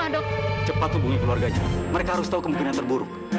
dok jantungnya tidak stabil dok